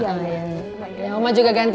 ya udah oma juga ganti